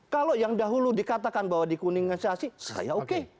kalau yang dahulu dikatakan bahwa dikuningin asasi saya oke